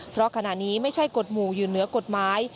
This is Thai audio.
เพราะขณะนี้ไม่ใช่กฎหมู่อยู่เหนือกฎหมาย